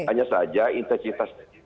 hanya saja intensitas